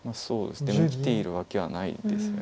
でも生きているわけはないです。